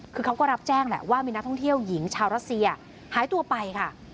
คือเขาก็รับแจ้งแหละว่ามีนักท่องเที่ยวหญิงชาวรัสเซียหายตัวไปค่ะ